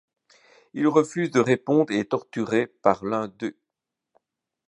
Il refuse de répondre et est torturé par l'un d'eux.